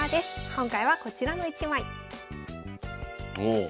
今回はこちらの一枚。